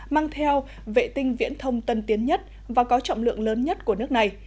mang theo vệ tinh viễn thông tân tiến nhất và có trọng lượng lớn nhất của nước này